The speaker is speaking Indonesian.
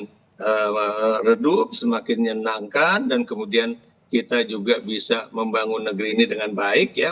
itu tentunya menginginkan agar suasana ini juga semakin redup semakin menyenangkan dan kemudian kita juga bisa membangun negeri ini dengan baik ya